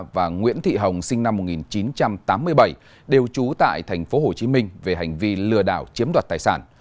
và nguyễn thị hồng sinh năm một nghìn chín trăm tám mươi bảy đều trú tại tp hcm về hành vi lừa đảo chiếm đoạt tài sản